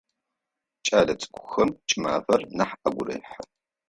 Кӏэлэцӏыкӏухэм кӏымафэр нахь агу рехьы.